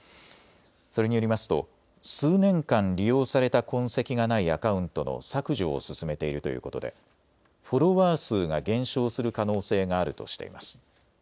それによりますと数年間利用された痕跡がないアカウントの削除を進めているということでフォロワー数が減少する可能性があるとしています。